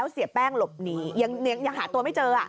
เสียแป้งหลบหนียังหาตัวไม่เจอ